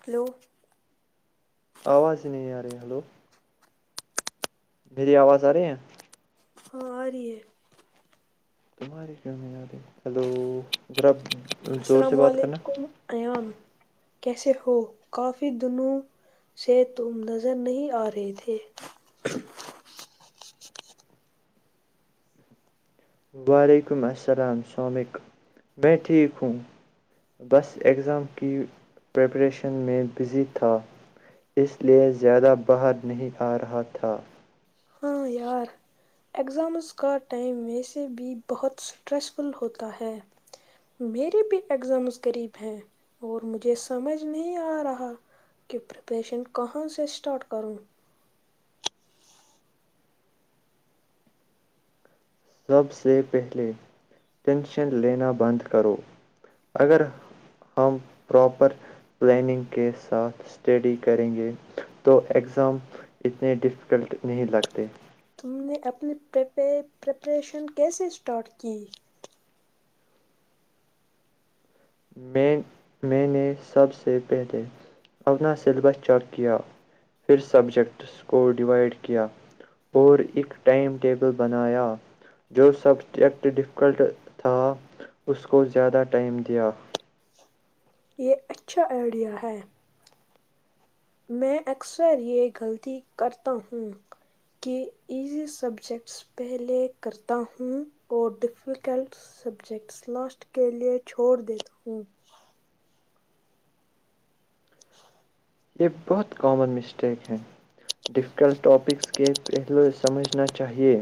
hello آواز ہی نہیں آ رہی ہلو پری آواز آ رہی ہے ہاں ہ رہے تمہارے کیوں نہیں یاد ہے ہلو ذرا زور سے السلام بات کرنا علیکم ایان کیسے ہو کافی دنوں سے تم نظر نہیں آ رہے تھے وعلیکم السلام سومک میں ٹھیک ہوں بس اگزام کی پریپریشن میں بزی تھا اس لیئے زیادہ باہر نہیں آ رہا تھا ہاں یار ایگزامز کا ٹائم و سے بھی بہت اسٹریسفل ہوتا ہے میرے بھی ایگزامز قریب ہیں اور مجھے سمجھ نہیں آ رہا کہ پریپریشن کہاں سے اسٹارٹ کروں سب سے پہلے ٹینشن لینا بند کرو اگر ہم پراپر پلاننگ کے ساتھ اسٹڈی کریں گے تو ایگزام اتنے ڈفیکلٹ نہیں لگتے تم نے اپنی پریپریشن کیسے اسٹارٹ کی میں میں نے سب سے پہلے اپنا سلیبس چیک کیا پھر سبجیکٹس کو ڈوائڈ کیا اور ایک ٹائم ٹیبل بنایا جو سبجیکٹ ڈفکلٹ تھا اس کو زیادہ ٹائم دیا یہ اچھا آئیڈیا ہے میں اکثر یہ غلطی کرتا ہوں کہ ایزی سبجیکٹس پہلے کرتا ہوں اور ڈفیکلٹ سبجیکٹس لاسٹ کے لئے چھوڑ دیتا ہوں یہ بہت کامن مسٹیک ہیں ڈیفیکلٹ ٹاپکس کے پہلو سمجھنا چاہئے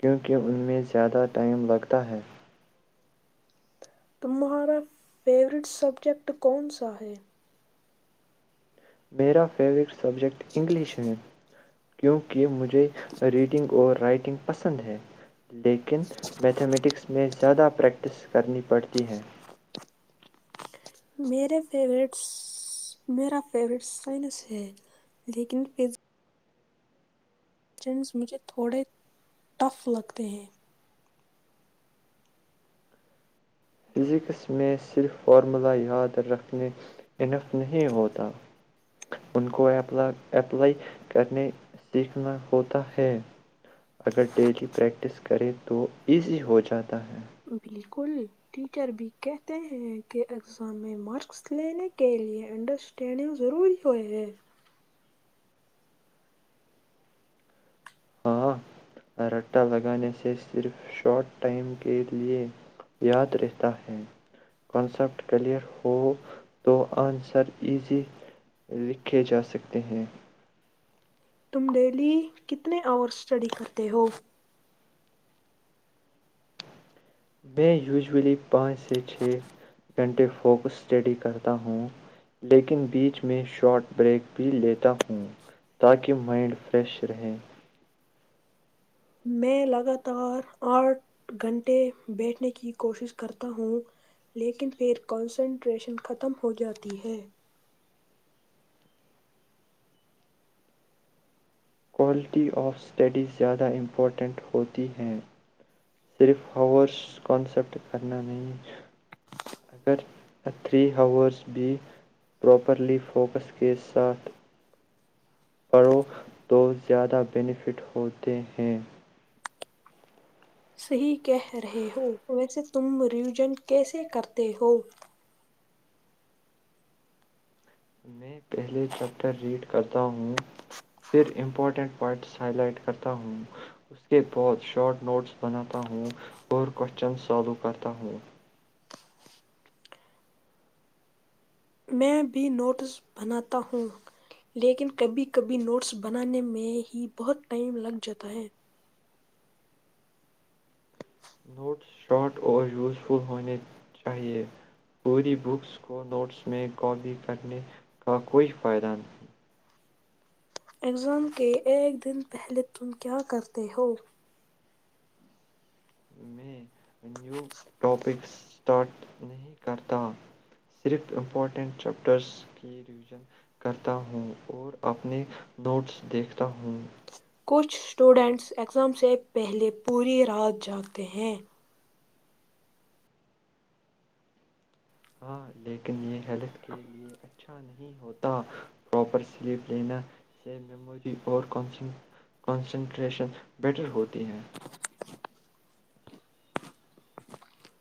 کیونکہ ان میں زیادہ ٹائم لگتا ہے تمہارا فیورٹ سبجیکٹ کون سا ہے میرا فیورٹ سبجیکٹ انگلش ہند کیونکہ مجھے ریڈنگ اور رائٹنگ پسند ہے لیکن میتھمیٹکس میں زیادہ پریکٹس کرنی پڑتی ہے میرے فیوریٹس میرا فیوریٹ سائنس ہے لیکن فز ٹنز مجھے تھوڑے ٹف لگتے ہیں فزکس میں صرف فارمولہ یاد رکھنے انف نہیں ہوتا ان کو اپ اپلائی کرنے سیکھنا ہوتا ہے اگر ڈیلی پریکٹس کرے تو ایزی ہو جاتا ہے بالکل ٹیچر بھی کہتے ہیں کہ اگزام میں مارکس لینے کے لئے انڈرسٹینڈنگ ضروری ہو ہے ہاں رٹا لگانے سے صرف شارٹ ٹائم کے لیے یاد رہتا ہے کنسپٹ کلیئر ہو تو آنسر ایزی لکھے جا سکتے ہیں تم ڈیلی کتنے آور اسٹڈی کرتے ہو میں وژولی پانچ چھ گنٹے فوکس اسٹڈی کرتا ہوں لیکن بیچ میں شاٹ بریک بھی لیتا ہوں تاکہ مائنڈ فریش رہے میں لگاتار آٹھ گھنٹے بیٹھنے کی کوشش کرتا ہوں لیکن پھر کنسنٹریشن ختم ہو جاتی ہے کوالٹی آف اسٹڈی زیادہ امپورٹنٹ ہوتی ہیں صرف ہاورس کانسیپٹ کرنا نہیں اگر تھری ہاورس بھی پراپرلی فوکس کے ساتھ پڑو تو زیادہ بینیفٹ ہوتے ہیں صی کہہ رہے ہو ویسے تم ریوجن کیسے کرتے ہو میں پہلے چیپٹر ریڈ کرتا ہوں پھر امپورٹنٹ پوائنٹس ہائی لائٹ کرتا ہوں اس کے بعد شارٹ نوٹس بناتا ہوں اور کوشچن سالو کرتا ہوں میں بھی نوٹس بناتا ہوں لیکن کبھی کبھی نوٹس بنانے میں ہی بہت ٹائم لگ جاتا ہے نوٹس شارٹ اور یوزفل ہونے چاہیے پوری بکس کو نوٹس میں کاپی کرنے کا کوئی فائدہ نہیں ایگزام کے ایک دن پہلے تم کیا کرتے ہو میںمی نیو ٹاپکس اسٹارٹ نہیں کرتا صرف امپورٹینٹ چیپٹرس کی ریویژن کرتا ہوں اور اپنے نوٹس دیکھتا ہوں کچھ اسٹوڈنٹس ایگزام سے پہلے پوری رات جاگتے ہیں ہاں لیکن یہ ہیلتھ کے لیے اچھا نہیں ہوتا پراپر سلیپ لینا سے میموری اور کنسنٹریشن بیٹر ہوتی ہے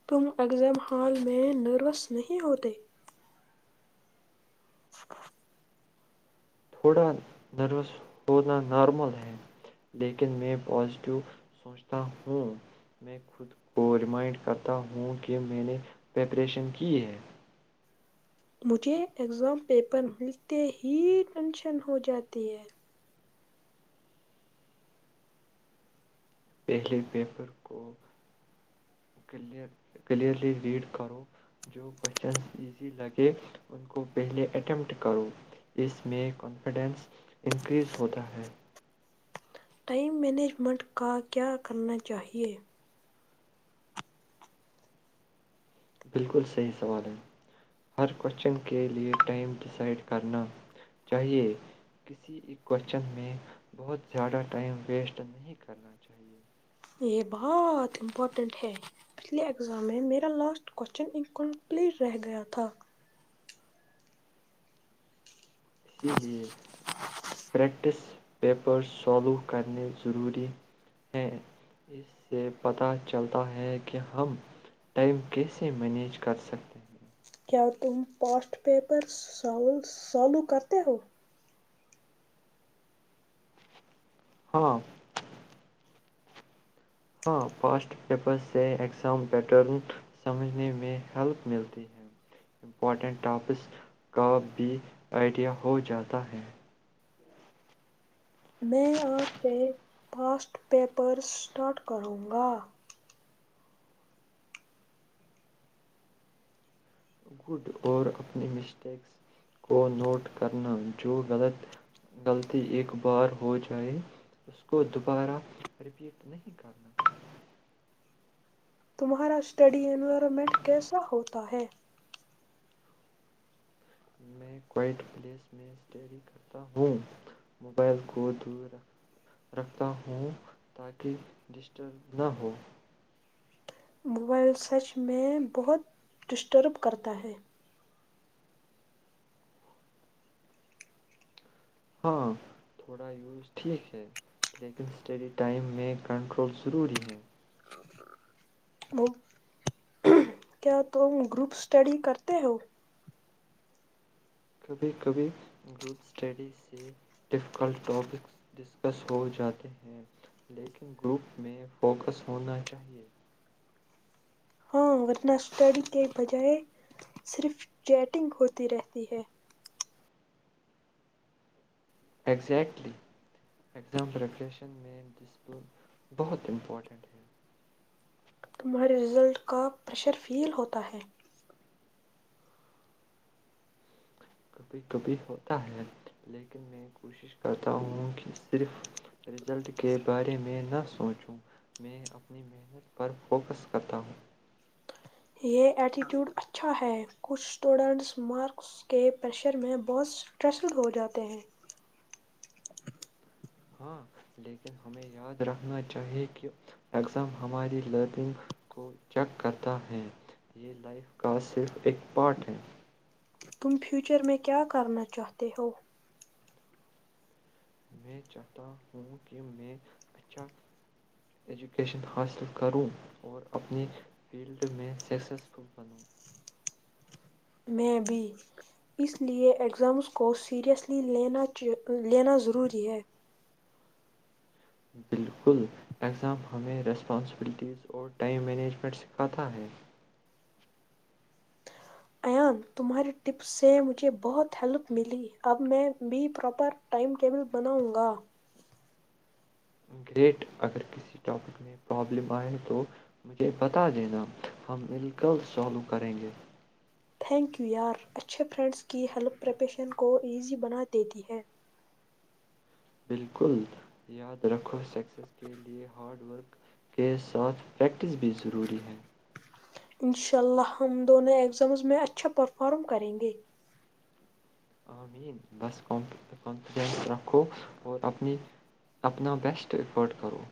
تم اگزام ہال میں نروس نہیں ہوتے ھم تھوڑا نروس ہونا نارمل ہے لیکن میں پازیٹیو سوچتا ہوں میں خود کو ریمائنڈ کرتا ہوں کہ میں نے پریپریشن کی ہے مجھے اگزام پیپر ملتے ہی ٹینشن ہو جاتی ہے پہلے پیپر کو کلیئر کلیئرلی ریڈ کرو جو کوشچن ایزی لگے ان کو پہلے اٹمپٹ کرو اس میں کانفیڈنس انکریز ہوتا ہے ٹائم مینجمنٹ کا کیا کرنا چاہیے بالکل صحیح سوال ہے ہر کوشچن کے لیے ٹائم ڈسائڈ کرنا چاہیے کسی بھی کوشچن میں بہت زیادہ ٹائم ویسٹ نہیں کرنا چاہیے یہ بہت امپورٹینٹ ہے پچھلے ایگزام میں میرا لاسٹ کوشچن انکمپلیٹ رہ گیا تھا اسی لیے پریکٹس پیپر سالو کرنے ضروری ہیں اس سے پتہ چلتا ہے کہ ہم ٹائم کیسے مینیج کر سکتے ہیں کیا تم پاسٹ پیپر س سالو کرتے ہو ہاں ہاں فاسٹ پیپر سے ایگزام بییٹرن سمجھنے میں ہیلپ ملتی ہے امپورٹنٹ ٹاپکس کا بھی آئیڈیا ہو جاتا ہے میں آج سے فاسٹ پیپر اسٹارٹ کروں گا گڈ اور اپنی مسٹیکس کو نوٹ کرنا جو غلط غلطی ایک بار ہو جائے اس کو دوبارہ رپیٹ نہیں کرنا تمہارا اسٹڈی انوائرمنٹ کیسا ہوتا ہے میں کوائٹ پلیس میں اسٹڈی کرتا ہوں موبائل کو دور رکھ رکھتا ہوں تاکہ ڈسٹرب نہ ہو موبائل سچ میں بہت ڈسٹرب کرتا ہے ہاں تھوڑا یوز ٹھیک ہے لیکن اسٹڈی ٹائم میں کنٹرول ضروری ہے وہ کیا تم گروپ اسٹڈی کرتے ہو کبھی کبھی گروپ اسٹڈی سے ڈفیکلٹ ٹاپکس ڈسکس ہو جاتے ہیں لیکن گروپ میں فوکس ہونا چاہیے ہاں ورنہ اسٹڈی کے بجائے صرف چیٹنگ ہوتی رہتی ہے ایگزیکٹلی ایگزام پریپریشن میں ڈسپلن بہت امپورٹنٹ ہے تمہارے رزلٹ کا پریشر فیل ہوتا ہے کبھی کبھی ہوتا ہے لیکن میں کوشش کرتا ہوں کہ صرف رزلٹ کے بارے میں نہ سوچوں میں اپنی محنت پر فوکس کرتا ہوں یہ ایٹیٹیوڈ اچھا ہے کچھ اسٹوڈنٹس مارکس کے پریشر میں بہت اسٹریٹ ہو جاتے ہیں ہاں لیکن ہمیں یاد رکھنا چاہیے کہ ایگزام ہماری لرننگ کو چیک کرتا ہے یہ لائف کا صرف ایک پارٹ ہے تم فیوچر میں کیا کرنا چاہتے ہو میں چاہتا ہوں کہ میں اچھا ایجوکیشن حاصل کروں اور اپنی فیلڈ میں سکسیسفل بنوں میں بھی اس لیئے اگزامس کو سیریئسلی لینا لینا ضروری ہے بالکل ایگزام ہمیں رسپانسبلٹیز اور ٹائم مینجمنٹ سکھاتا ہے ایان تمہاریے ٹپس سے مجھے بہت ہیلپ ملی اب میں بھی پراپر ٹائم ٹیبل بناؤں گا گریٹ اگر کسی ٹاپک میں پرابلم آئے تو مجھے بتا دینا ہم بلکل سولب کریں گے تھینک یو یار اچھے فرینڈس کی ہیلپ پریپیشن کو ایزی بنا دیتی ہے بالکل یاد رکھو سکسیس کے لیے ہارڈ ورک کے ساتھ پریکٹس بھی ضروری ہے انشاء اللہ ہم دونوں ایگزامز میں اچھا پرفارم کریں گے امین بس کانفیڈینس رکھو اور اپنی اپنا بیسٹ ایفرٹ کرو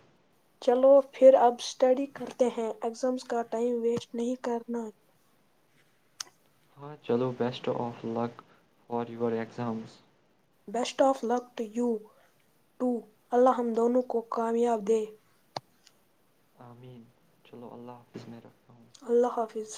چلو پھر اب اسٹڈی کرتے ہیں ایگزامس کا ٹائم ویسٹ نہیں کرنا ہاں چلو best of luck for your exams best of luck to you too اللہ ہم دونوں کو کامیاب دے امین چلو اللہ حافظ میں رکھ اللہ حافظ